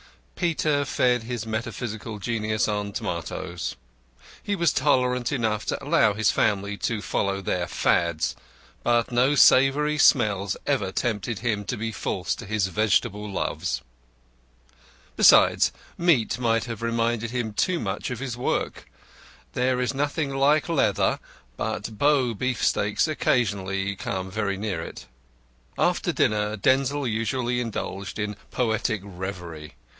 Peter fed his metaphysical genius on tomatoes. He was tolerant enough to allow his family to follow their Fads; but no savoury smells ever tempted him to be false to his vegetable loves. Besides, meat might have reminded him too much of his work. There is nothing like leather, but Bow beefsteaks occasionally come very near it. After dinner Denzil usually indulged in poetic reverie.